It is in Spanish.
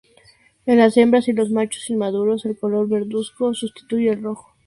En las hembras y los machos inmaduros, el color verduzco sustituye al rojo.